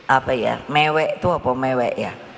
apa ya mewek itu apa mewek ya